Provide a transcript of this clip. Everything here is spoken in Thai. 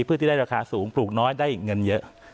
ที่ได้ราคาสูงปลูกน้อยได้เงินเยอะ